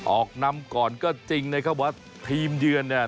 ออกนำก่อนก็จริงนะครับว่าทีมเยือนเนี่ย